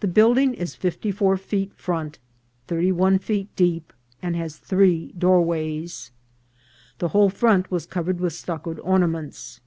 This building is fifty feet front, thirty one feet deep, and has three doorways. The whole front was covered with stuccoed ornaments.